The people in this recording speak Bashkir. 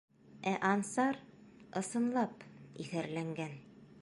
Ә Ансар, ысынлап, иҫәрләнгән.